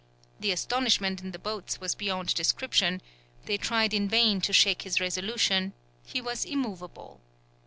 The astonishment in the boats was beyond description: they tried in vain to shake his resolution; he was immovable.